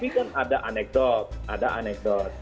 tapi kan ada anekdot